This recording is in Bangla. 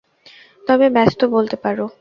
তবে ব্যস্ত বলতে পারো।